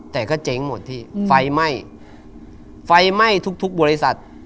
แต่ก็เจ๊งหมดพี่ไฟไหม้ไฟไหม้ทุกทุกบริษัท